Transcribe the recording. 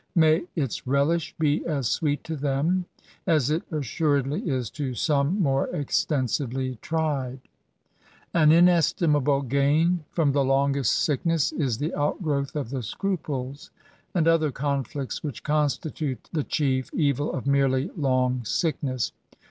— ^may its relish be as sweet to them as it assuredly is to some more eztensiyely tried ! An inestimable gain from the longest sickness is the outgrowth of the scruples and other conflicts which constitute the chief evil of merely long sickness.